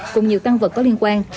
cùng nhiều căn vật có liên quan